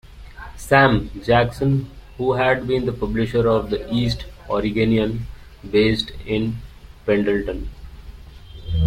"Sam" Jackson, who had been the publisher of the "East Oregonian" based in Pendleton.